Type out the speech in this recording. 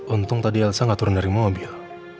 untung tadi elsa nggak turun dari mobil